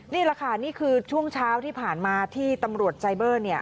นี่แหละค่ะนี่คือช่วงเช้าที่ผ่านมาที่ตำรวจไซเบอร์เนี่ย